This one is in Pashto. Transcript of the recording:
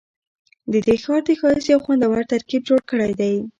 ددې ښار د ښایست یو خوندور ترکیب جوړ کړی دی.